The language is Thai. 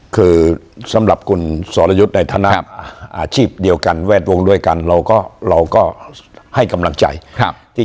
คือสำหรับคุณสรยุทธ์ในฐานะอาชีพเดียวกันแวดวงด้วยกันเราก็เราก็ให้กำลังใจที่